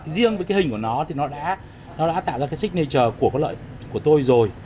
riêng với cái hình của nó thì nó đã tạo ra cái signature của con lợn của tôi rồi